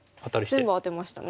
全部アテましたね。